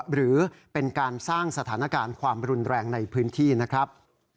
หรือเป็นการสร้างสถานการณ์ความรุนแรงในพื้นที่นะครับ